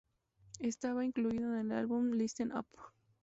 Estaba incluido en el álbum "Listen Up!